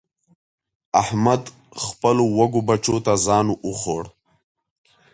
احمد خپلو وږو بچو ته ځان وخوړ.